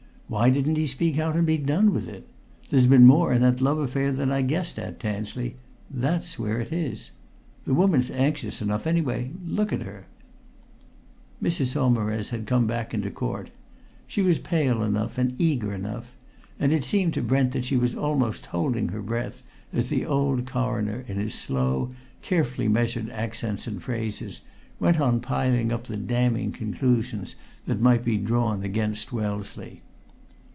Why didn't he speak out, and be done with it. There's been more in that love affair than I guessed at, Tansley that's where it is! The woman's anxious enough anyway look at her!" Mrs. Saumarez had come back into court. She was pale enough and eager enough and it seemed to Brent that she was almost holding her breath as the old Coroner, in his slow, carefully measured accents and phrases, went on piling up the damning conclusions that might be drawn against Wellesley.